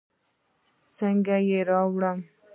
څنګه يې راوړم.